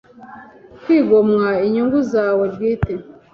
kwigomwa inyungu zawe bwite,